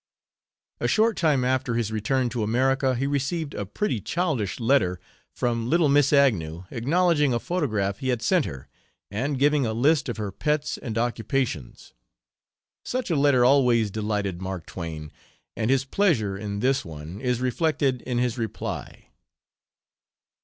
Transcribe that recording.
A short time after his return to America he received a pretty childish letter from little Miss Agnew acknowledging a photograph he had sent her, and giving a list of her pets and occupations. Such a letter always delighted Mark Twain, and his pleasure in this one is reflected in his reply.